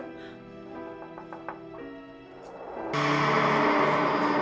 tidak ada masalah